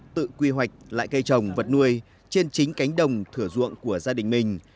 tự quy hoạch lại cây trồng vật nuôi trên chính cánh đồng thửa ruộng của gia đình mình